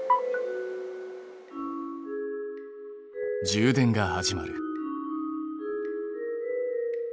充電が始まる。